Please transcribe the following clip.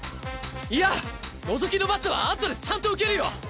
いやのぞきの罰はあとでちゃんと受けるよ。